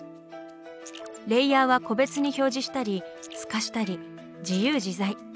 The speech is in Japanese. レイヤーは個別に表示したり透かしたり自由自在。